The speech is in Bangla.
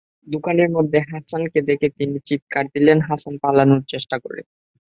দোকানের মধ্যে হাসানকে দেখে তিনি চিৎকার দিলে হাসান পালানোর চেষ্টা করে।